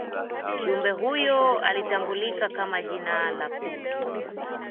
kiumbe huyo alitambulika kama jila la kuvu